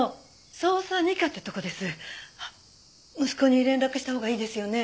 息子に連絡したほうがいいですよね？